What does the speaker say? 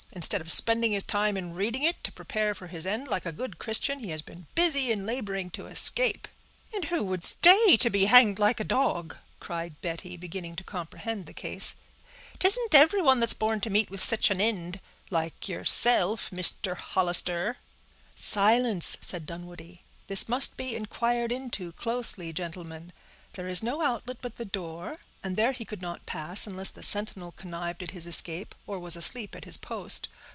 "Instead of spending his time in reading it to prepare for his end like a good Christian, he has been busy in laboring to escape." "And who would stay and be hanged like a dog?" cried Betty, beginning to comprehend the case. "'Tisn't everyone that's born to meet with sich an ind—like yourself, Mr. Hollister." "Silence!" said Dunwoodie. "This must be inquired into closely, gentlemen; there is no outlet but the door, and there he could not pass, unless the sentinel connived at his escape, or was asleep at his post.